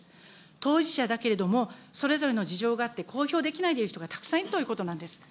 当事者だけれども、それぞれの事情があって、公表できないでいる人がたくさんいるということなんです。